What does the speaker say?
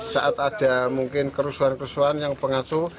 saat ada mungkin kerusuhan kerusuhan yang pengasuh